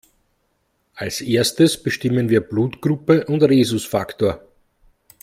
Als Erstes bestimmen wir Blutgruppe und Rhesusfaktor.